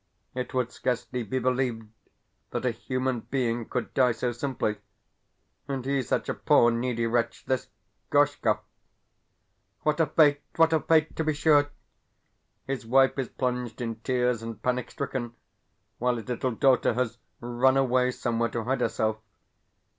It would scarcely be believed that a human being could die so simply and he such a poor, needy wretch, this Gorshkov! What a fate, what a fate, to be sure! His wife is plunged in tears and panic stricken, while his little daughter has run away somewhere to hide herself.